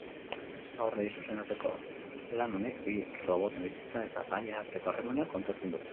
Haurrei zuzendutako lan honek bi roboten bizitza eta haien arteko harremana kontatzen du.